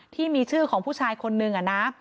ที่มีชื่อของผู้ชายคนนึงอะนะ